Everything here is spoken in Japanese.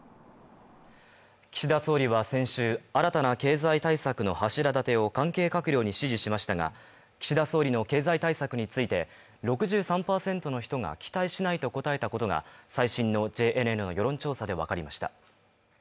岸田総理は先週、新たな経済対策の柱立てを関係閣僚に指示しましたが、岸田総理の経済対策について６３％の人が期待しないと答えたことが最新のＪＮＮの世論調査でわかりました。